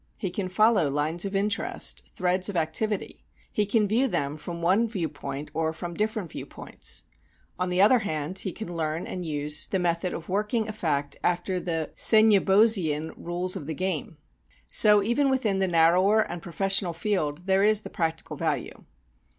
He can follow lines of interest, threads of activity; he can view them from one view point or from different view points. On the other hand he can learn and use the method of working a fact after the Seignobosian "rules of the game." So even within the narrower and professional field there is the practical value.